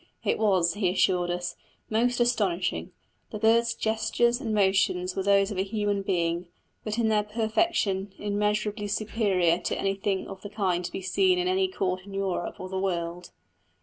It was, he assured us, most astonishing; the birds' gestures and motions were those of a human being, but in their perfection immeasurably superior to anything of the kind to be seen in any Court in Europe or the world.